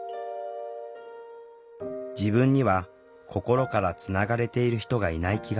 自分には心からつながれている人がいない気がする。